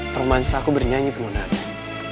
permansaku bernyanyi penggunaan